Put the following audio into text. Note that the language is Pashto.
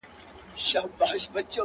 له دې سببه دی چي شپه ستایمه,